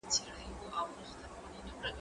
زه اوږده وخت د کتابتون د کار مرسته کوم!؟